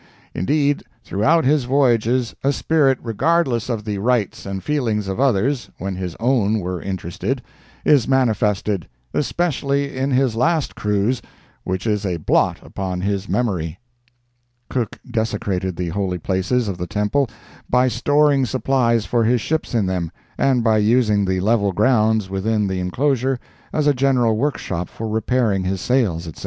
Indeed, throughout his voyages a spirit regardless of the rights and feelings of others, when his own were interested, is manifested, especially in his last cruise, which is a blot upon his memory." Cook desecrated the holy places of the temple by storing supplies for his ships in them, and by using the level grounds within the inclosure as a general workshop for repairing his sails, etc.